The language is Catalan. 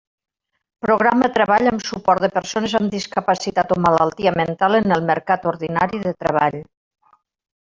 Programa treball amb suport de persones amb discapacitat o malaltia mental en el mercat ordinari de treball.